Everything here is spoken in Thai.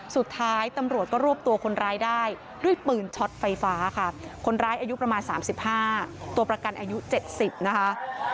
สุดท้ายตำรวจก็รวบตัวคนร้ายได้ด้วยปืนช็อตไฟฟ้าค่ะคนร้ายอายุประมาณ๓๕ตัวประกันอายุ๗๐นะคะ